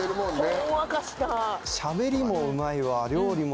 ほんわかした。